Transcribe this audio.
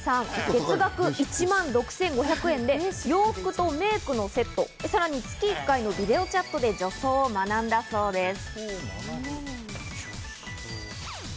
月額１万６５００円で洋服とメイクのセット、さらに月１回のビデオチャットで女装を学んだそうです。